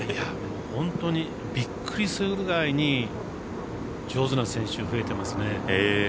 本当にびっくりするぐらいに上手な選手、増えてますね。